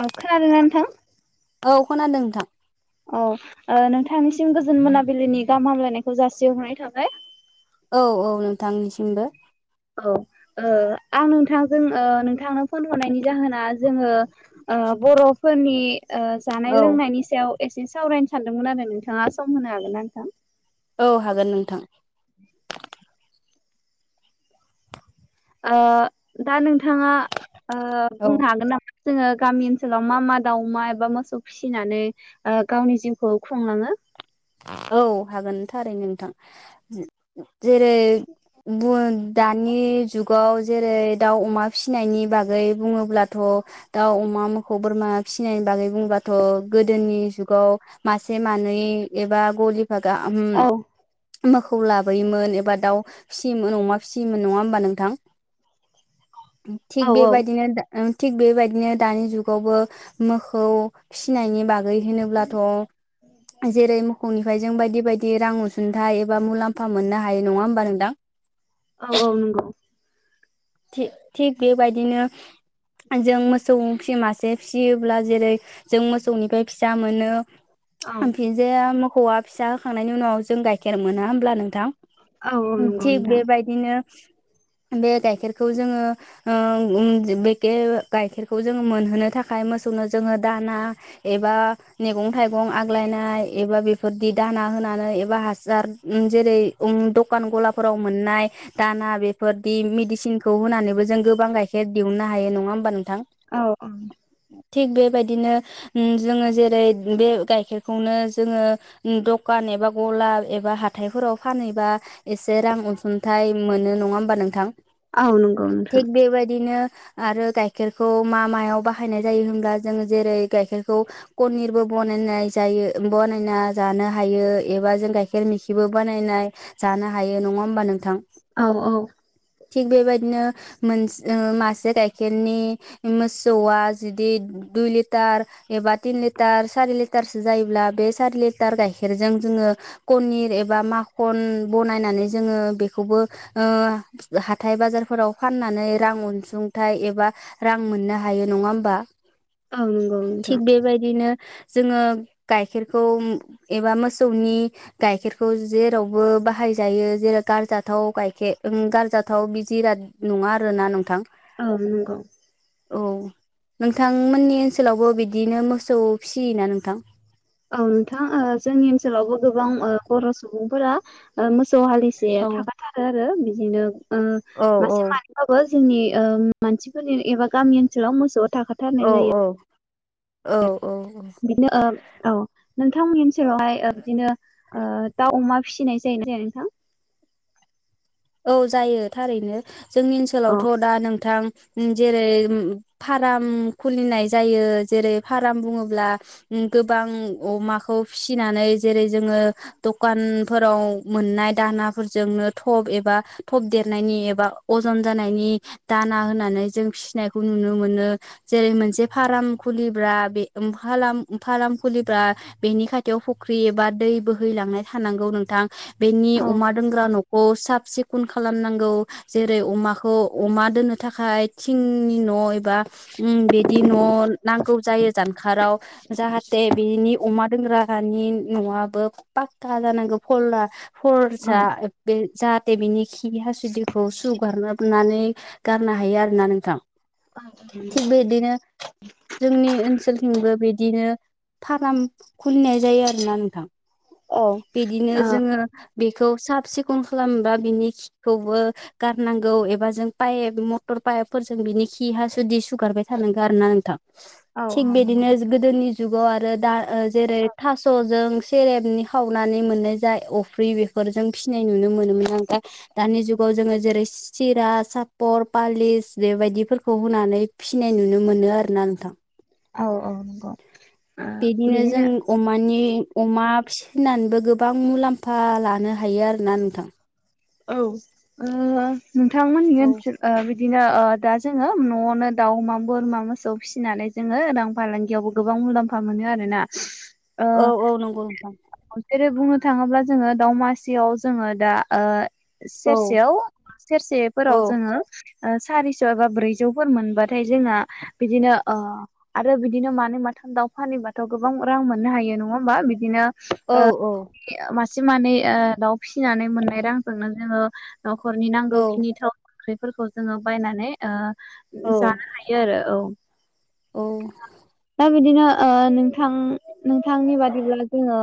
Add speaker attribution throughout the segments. Speaker 1: ओ खोनादों ना नोंथां?
Speaker 2: औ खोनादों नोंथां।
Speaker 1: औ ओ नोंथांनिसिम गोजोन मोनाबिलिनि गाहाम हामलायनायखौ जासिहरनाय थाबाय।
Speaker 2: औ औ नोंथांनिसिमबो।
Speaker 1: औ ओ आं नोंथांजों ओ नोंथां फन हरनायनि जाहोना जोङो बर'फोरनि जानाय
Speaker 2: औ
Speaker 1: लोंनायनि सायाव एसे एसे सावरायनो सानदोंमोन आरो नोंथाङा सम होनो हागोन ना नोंथां?
Speaker 2: औ हागोन नोंथां।
Speaker 1: ओ दा नोंथाङा ओ
Speaker 2: औ
Speaker 1: बुंनो हागोन नामा? जोङो गामि ओनसोलाव मा मा दाउमा एबा मोसौ फिसिनानै ओ गावनि जिउखौ खुंलाङो?
Speaker 2: औ हागोन थारै नोंथां जे-जेरै बुङो नो दानि जुगाव जेरै दाउ अमा फिसिनायनि बागै बुङोब्लाथ दाउ अम अमा मोखौ बोरमा फिसिनायनि बागै बुंबाथ गोदोनि जुगाव मासे मानै एबा गलिफा गाहाम
Speaker 1: औ
Speaker 2: मोखौ लाबोयोमोन एबा दाउ फिसियोमोन अमा फिसियोमोन नङा होमबा नोंथां? थिग
Speaker 1: औ औ
Speaker 2: बेबायदिनो दा ओं थिग बेबायदिनो दानि जुगावबो मोखौ फिसिनायनि बाग गै होनोब्ला थ खंनिफ्राय जों बायदि बायदि रां अनसुंथाइ एबा मुलाम्फा मोननो हायो नङा होमबा नोंदां?
Speaker 1: औ औ नंगौ
Speaker 2: थिग थिग बेबायदिनो जों मोसौ फिसि मासे फिसियोब्ला जेरै जों मोसौनिफ्राय फिसा मोनो
Speaker 1: औ
Speaker 2: ओमफिन जेया मोखौआ फिसा होखांनायनि उनाव जों गाइखेर मोना होमब्ला नों थां
Speaker 1: औ औ नंगौ
Speaker 2: थिग
Speaker 1: नोंथां
Speaker 2: बेबायदिनो बे गाइखेर खौ जोङो ओं उम जे बेके गाइखेरखौ जोङो मोनहोनो थाखाय मोसौनो जोङो दा [unintelligible] एबा मेगंथायगं आग्लायनाय एबा बेफोदि दाना होनानै एबा हा सार उम जेरै उम दखान गाला मोननाय दाना बेफोरदि मिदिसिन खौ होनानैबो जों गोबां गाइखेर दिहुननो हायो नङा होनोमबा नों
Speaker 1: औ औ।
Speaker 2: थिग बेबायदिनो उम जोङो जेरै बे गाइखेरखौनो जोङो उम दखान नाय बा गलाब एबा हाथायफोराव फानहैबा एसे रां अनसुंथाइ मोनो नङा होमबा नोंथां?
Speaker 1: औ नंगौ नोंथां
Speaker 2: थिक बे बायदिनो आरो गाइखेरखौ मा मायाव बाहायनाय जायो होनब्ला जों जेरै गाइखेरखौ कनिरबो बनायनाय जायो ओ बनायना जानो हायो एबा जों गाइखेर मेखिबो बानायनाय जा थानो हायो नङा होमबा नोंथां?
Speaker 1: औ औ।
Speaker 2: थि बेबायद नो मोनस ओ मासे गाइखेरनि मोसौआ जुुदि दुय लिथार टार एबा थिन लिटार सारि लिटारसो जायोब्ला बे सारि लिटार गायखेरजों जोङो कत निर एबा माखन बनानै जोङो बेखौबो ओ जा हाथाय बाजार फोराव फाननानै रां अनसुंथाइ एबा रां मोननो हायो नङा होमबा?
Speaker 1: औ नंगौ नोंथां
Speaker 2: थिक बेबायदिनो जोङो गाइखेरखौ उम एबा मोसौनि गायखेरखौ जेरावबो बाहाय जायो जेरै गारजाथाव गाइखे ओ उम गारजाथाव बि जिराद नङा आरो ना नोंथां।
Speaker 1: औ नंगौ।
Speaker 2: औ नोंथांमोननि ओनसोलावबो बिदिनो मोसौ फिसियोना नोंथां?
Speaker 1: औ नोंथां ओ जोंनि ओनसोलावबो गोबां ओ बर सुबुंफोरा ओ मोस स हालिसे
Speaker 2: औ
Speaker 1: थाखाथारो आरो बिदिनो उम
Speaker 2: औ औ
Speaker 1: मासे मानैबाबो जोंनि ओ मानसिफोरनि एबा गामि ओनसोलाव मोसौआव
Speaker 2: औ
Speaker 1: थाखाथारनाय जायो।
Speaker 2: औ
Speaker 1: [unintelligible]
Speaker 2: औ औ
Speaker 1: बिदिनो ओ औ। नोंथांमोननि ओनसोलावहाय ओ बिदिनो ओ दाव अमा फिसिनाय जायो ना जाया नोंथां?
Speaker 2: औ जायो थारैनो जोंनि
Speaker 1: अ
Speaker 2: ओनसोलावथ दा नोंथां उम जेरै उम फाराम खुलिनाय जायो जेरै फारम बुङोब्ला उम गोबां अमाखौ फिसिनानै जेरै जोङो दखानफोराव मोननाय दान ना फोरजोंनो थब एब बा थब देरनायनि एबा अजन जानायनि दाना होनानै जों फिसिनायखौ नुनो मोनो ओ जेरै मोनसे फाराम खुलिब्ला बेखौ फाराम खुलिब्ला बेनिथाखाय थियाव फुख्रि एबा दै बोहैलांनाय थानांगौ नोंथां बेनि
Speaker 1: औ
Speaker 2: अमा दोनग्रा नखौ सा सिखन खालामनांगौ जेरै अमाखौ अमा दोननो थाखाय थिंनि न' एबा उ बिदि न' नांगौ जायो जानखाराव जाहाथे बेनि अमा दोनग्रानि न'आबो पाक्का जानांगौ फलला हर
Speaker 1: औ औ
Speaker 2: जा बे जा बिनि खि हासुदिखौ सुगारनानै गारनो हायो आरोना नोंथां थिग बेदिनो जोंनि ओनसोल ओनसोलथिंबो बिदिनो फार्म खुलिनाय जायो आरोना नोंथां बिदिनो
Speaker 1: औ
Speaker 2: जोङो बेखौ साब सिखोन खालामबा बिनि खिखौबो गारनांगौ एबा जों पाइप मटर पाइपफोरजों बिनि खि हासुदै सुगारबाय थानांगोन आरो ना नोंथां
Speaker 1: औ
Speaker 2: थिग
Speaker 1: औ नंगौ
Speaker 2: बिदिनो गोदोनि जुगाव आरो दा जेरै थास'जों सेरेबनि खावनानै मोननाय जाय अफ्रि बेखौ फोरजों फिसिनाय नुनो मोनोमोन आं दानि जुगाव जोङो जेरै सिरा सापर पालिस बेबायदि खौ होनानै फिसिनाय नुनो मोनो आरोना नोंथां
Speaker 1: औ औ नंगौ
Speaker 2: बिदिनो जों अमानि अमा फिसिनानैबो गोबां मुलाम्फा लानो हायो आरोना नोंथां
Speaker 1: औ नोंथांमोननि
Speaker 2: औ
Speaker 1: ओनसोल बिदि बिदिनो दा जोङो न'आवनो दाउ अमा बोरमा मोसौ फिसिनानै जोङो रां फालांगियावबो गोबां मुलाम्फा मोनो आरोना ओ
Speaker 2: औ औ नंगौ नोंथां
Speaker 1: जेरै बुंनो थाङोब्ला जोङो दावमासियाव जोङो दा
Speaker 2: औ
Speaker 1: सेरसेयाव
Speaker 2: औ
Speaker 1: सेरसेफोराव जोङो सारिस' एबा ब्रैजौफोर मोनबाथाय जोंना बिदिनो आरो बिदिनो मानै मा दाउ फानबाथ' गोबां रां मोननो हायो नङा होमबा बिदिनो
Speaker 2: औ औ
Speaker 1: एसे मानै दाउ फिसिनानै मोननाय रांजोंनो जोङो न'खरनि
Speaker 2: औ
Speaker 1: नांगौखिनिथाव ओख्रिफोरखौ जोङो बायनानै
Speaker 2: औ
Speaker 1: जानो हायो आरो औ
Speaker 2: औ
Speaker 1: दा बिदिनो नोंथांनि बादिब्ला जोङो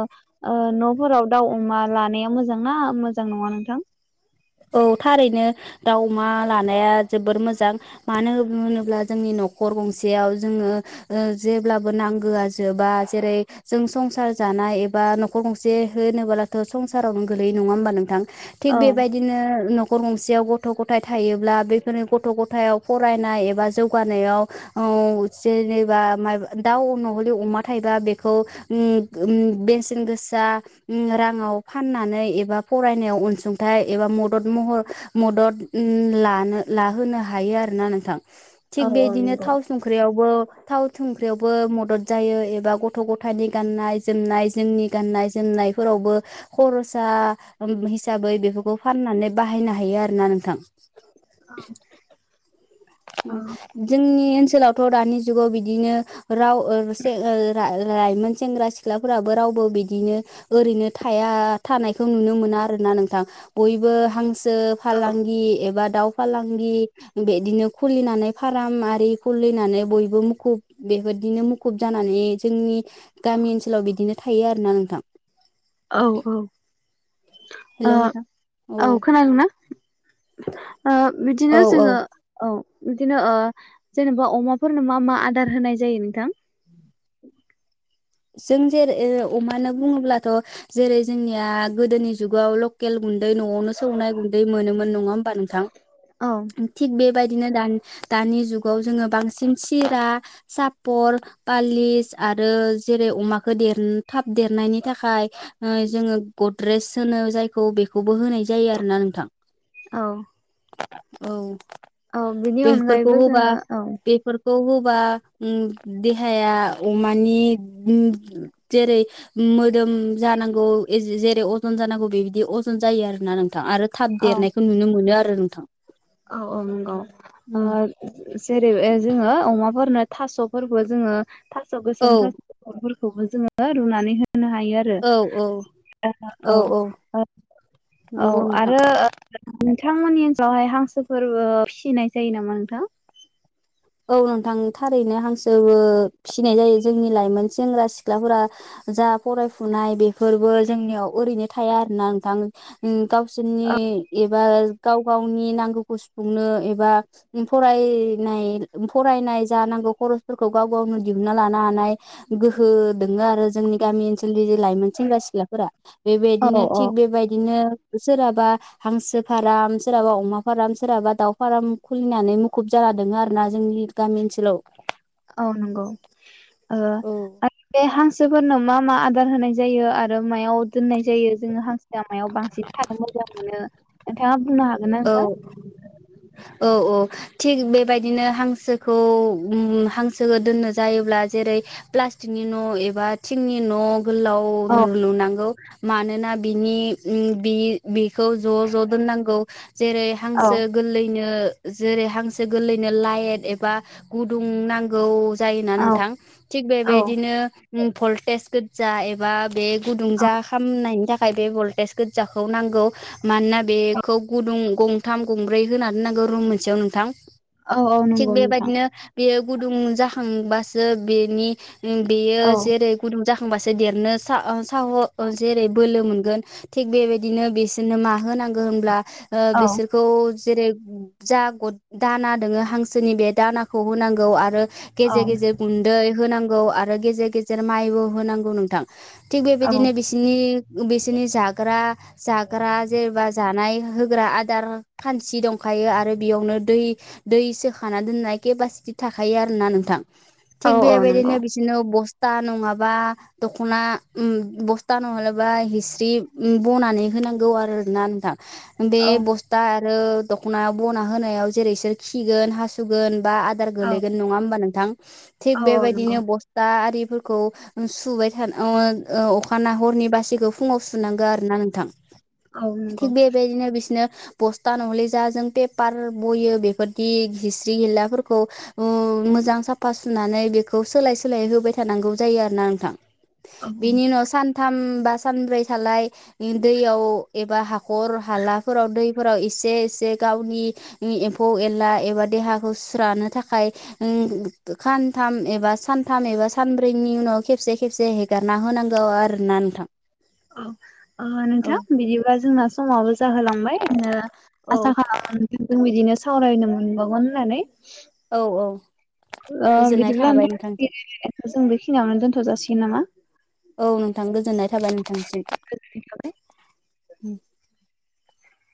Speaker 1: न'फोराव दाउ अमा लानाया मोजां ना मोजां नङा नोंथां
Speaker 2: औ थारैनो दाउ अमा लानाया जोबोर मोजां मानो होनोब्ला जोंनि न'खर गंसेयाव जोङो जेब्लाबो नांगोआ जोबा जेरै जों संसार जानाय एबा न'खर गंसे होनोबोलाथ' संसारावनो गोलै नङा होमबा नोंथां थिग
Speaker 1: औ
Speaker 2: बेबायदिनो न'खर गंसेयाव गथ' गथाय थायोब्ला बेफोरनि गथ' गथायाव फरायनाय एबा जौगानायाव औ जेनेबा दाव अमा थायोबा बेखौ उम उम बेसेन गोसा राङाव फाननानै एबा फरायनायाव अनसुंथाइ हाथाय एबा मदद महर मदद लानो लाहोनो हायो आरोना नोंथां
Speaker 1: औ
Speaker 2: थिग
Speaker 1: औ
Speaker 2: बेदिनो
Speaker 1: नंगौ।
Speaker 2: थाव संख्रियावबो थाव संख्रियावबो मदद जायो एबा गथ' गथ' गथायनि गाननाय जोमनाय जोंनि गाननाय जोमनायफोरावबो खरसा हिसाबै बेफोरखौ फाननानै बाहायनो हायो आरो ना नोंथां
Speaker 1: औ
Speaker 2: जोंनि ओनसोलावथ' दानि जुगाव बिदिनो राव [unintelligible] लाइमोन सेंग्रा सिख्लाफोराबो रावबो बिदिनो ओरैनो थाया थानायखौ नुनो मोना आरो नोंथां बयबो हांसो
Speaker 1: औ
Speaker 2: फालांगि एबा दाउ फालांगि बिदिनो खुलिनानै फार्म आरि खुलिनानै बयबो मुखुब बेफोरदिनो मुखुब जानानै जोंनि गामि ओनसोलाव बिदिनो थायो आरोना नोंथां
Speaker 1: औ औ
Speaker 2: हेल' नोंथां
Speaker 1: औ खोनादोंना
Speaker 2: औ
Speaker 1: बिदिनो
Speaker 2: औ
Speaker 1: जोङो औ। बिदिनो जेनेबा अमाफोरनो मा मा आदार होनाय जायो नोंथां।
Speaker 2: जों जेरै अमानो बुङोब्लाथ' जेरै जोंनिया गोदोनि जुगाव लकेल गुनदै न'आवनो सौनाय गुै मोन न ह
Speaker 1: औ
Speaker 2: नोंथ बेबायदिनो दानि जुगाव जोङो बांसिन सिरा सापर पालिस आरोज जेरै अमाखौ देर थाब देरनायनि थाखाय जोङो गद्रेज होनो जायखौ बेखौ बो होनाय जायो आरोना नोंथां
Speaker 1: औ
Speaker 2: औ।
Speaker 1: औ बिनि
Speaker 2: बेफोरखौ
Speaker 1: अनगायैबो
Speaker 2: होबा
Speaker 1: जोङो औ
Speaker 2: बेफोरखौ होब बा देहायाअमानि जेरै मोदोम जानांगौ जेरै अजन जानांगौ बेबायदि अजन। जायो आरो ना नोंथां आरो थाब देरनायखौ नुनो मोनो आरो। नोंथां।
Speaker 1: औ औ नंगौ जेरै जोङो अमा हरनो थास'फोरखौ जोङो थास'
Speaker 2: औ
Speaker 1: गोसोम थास'रफोरखौबो जोङो रुनानै हो। होनो हायो
Speaker 2: औ औ
Speaker 1: आरो औ औ
Speaker 2: नंगौ नोंथां।
Speaker 1: आरो नोंथमोननि हिनसावहाय हांसोफोर फिसिनाय जायो नामा नोंथां?
Speaker 2: औ नोंथां थारैनो हांसोबो फिसिनाय जायो जोंनि लाइमोन सेंग्रा सिख्लाफोरा जा फरायफुनाय बेफोरबो जोंनियाव ओरैनो थाया आरोना नोंथां। गावसोरनि एबा गाव गावनि नांगौखौ सुफुंनो एबा फराय बिनाय। फरायनाय जानांगौ खरसफोरखौ गाव गावनो दिहुनना लानो हानाय गोहो दोङो आरो जों जोंनि गामि ओनसोलनि जे लाइमोन सेंग्रा सिख्लाफोरा
Speaker 1: औ
Speaker 2: बेबायदिनो
Speaker 1: औ
Speaker 2: थिग बेबायदिनो सोरहाबा हांसो फार्म सोरहाबा अमा फार्म सोरहाबा दाउ फार्म खुलिनानै मुखुब जान द आरो दा जोंनि गामि ओनसोलाव।
Speaker 1: औ नंगौ
Speaker 2: औ
Speaker 1: आरो बे हांसोफोरनो मा मा आदार होनाय जायो आरो मायाव दोननाय जायो जोङो हांसोआ मायाव बा बांसिन थानो मोजां मोनो नोंथाङा बुंनो हागोन ना
Speaker 2: औ
Speaker 1: नोंथां?
Speaker 2: औ औ थिग बेबायदिनो हांसोखौ हांसोखौ दोननो जायोब्ला जेरै प्लास्टिकनि न' एबा थिंनि न' गोलाव
Speaker 1: औ
Speaker 2: लु लुनांगौ। मानोना बिनि बि बेखौ ज' ज' दोननांगौ। जेरै
Speaker 1: औ
Speaker 2: हांसो गोरलैनो जेरै हांसो गोरलैनो लाइट एबा गुदुं नांगौ। जायोना
Speaker 1: औ
Speaker 2: नोंथां थिक
Speaker 1: औ
Speaker 2: बेबायदिनो भलटेज गोजा एबा बे गुदुं
Speaker 1: औ
Speaker 2: जा खामनायनि थाखाय बे भल्टेज गोजाखौ नांगौ मानोना बेखौ द गंथाम गंब्रै होनानै दोननांगौ रुम मोनसेयाव नोंथां
Speaker 1: औ औ
Speaker 2: थिग
Speaker 1: नंगौ नोंथां
Speaker 2: बेबायदिनो बेयो गुदुं जाखांबासो बेनि बेयो
Speaker 1: औ
Speaker 2: जेरै गुदुं जाखांबासो देरनो साह
Speaker 1: औ
Speaker 2: जेरै बोलो थिग बेबायदिनो बिसोरनो मा होनांगौ होनब्ला
Speaker 1: औ
Speaker 2: बिसोरखौ जेरै जा दाना दोङो हांसोनि बे दानाखौ होनांगौ आरो।
Speaker 1: औ
Speaker 2: गेजेर गेजेर गुन्दै होनांगौ आरो गेजेर गेजेर माइबो होनांगौ नोंथां। थिग
Speaker 1: औ
Speaker 2: बेबायदिनो बिसोरनि बिसोरनि जाग्रा जाग्रा जेनेबा जानाय होग्रा आदार खानसि दंखायो आरो बेयावनो दै दै सोखाना दोननाय केपासिटि था। खायो आरोना नोंथां
Speaker 1: औ
Speaker 2: थिग
Speaker 1: औ नंगौ
Speaker 2: बेबायदिनो बिसोरनो बस्था नङाबा दख'ना बस्था नङाबबा हिस्रि ब'नानै हो। नांगौ आरोना आथा बे
Speaker 1: औ
Speaker 2: बस्था आरो दख'नायाव बना होनायाव जेरैसोर खिगोन हासुगोन बा आधार
Speaker 1: औ
Speaker 2: गोलैगोन नङा होमबानोंथां
Speaker 1: औ
Speaker 2: थिग
Speaker 1: औ नंगौ
Speaker 2: बेबादिनो बसथा आरि। फोरखौ सुबाय थानो अखा न हरनि बासिखौ फुङाव सुनांगौ आरोना नोंथां।
Speaker 1: ओ नंगौ।
Speaker 2: थिग बेबायदिनो बिसोरनो बस्था नहले जा जों पेपार बयो बेफोरदि हिस्रि हिलाफोरखौ उ मोजां साफा सुनानै बेखौ सोलाय सोलाय होबाय थानांगौ जायो आरो ना नोंथां।
Speaker 1: औ औ
Speaker 2: बेनि उनाव सानथाम बा सानब्रै थालाय दैयाव एबा हाख हर हालाफोराव दै फोराव एसे एसे गावनि एम्फौ एनला एबा देहाखौ सुस्रानो थाखाय सानथाम एबा सानथाम एबा सानब्रैनि उनाव खेबसे खेबसे हेगारना होनांगौ आर
Speaker 1: औ नोंथां बिदिब्ला जोंना आवबो जाहोलांबाय
Speaker 2: औ
Speaker 1: आसा खालामोन जों बिदिनो सावरायनो मोनबावगोन होननानै।
Speaker 2: औ औ
Speaker 1: ओ
Speaker 2: गोजोननाय
Speaker 1: बिदिब्ला
Speaker 2: थाबाय नोंथांसिम।
Speaker 1: नोंथां जों बेखिनियावनो दोनथ' जासिगोन नामा?
Speaker 2: औ नोंथां गोजोननाय थाबाय
Speaker 1: गोजोननाय थाबाय
Speaker 2: नोंथांसिम।